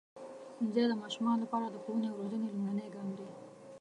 ښوونځی د ماشومانو لپاره د ښوونې او روزنې لومړنی ګام دی.